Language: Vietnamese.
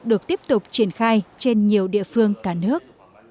được tiếp tục triển khai trên nhiều địa phương cả nước